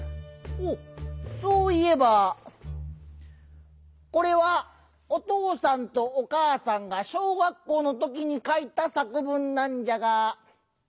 おっそういえばこれはおとうさんとおかあさんが小学校のときにかいたさく文なんじゃが。